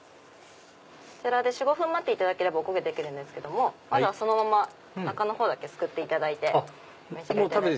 ４５分待っていただければお焦げできるんですけどもまずはそのまま中のほうだけすくっていただいて。